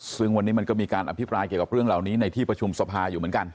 ซึ่งวันนี้มันก็มีการอภิปรายเกี่ยวกับเรื่องเหล่านี้ในที่ประชุมสภาอยู่เหมือนกัน